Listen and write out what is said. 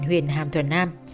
huyện hàm thuận nam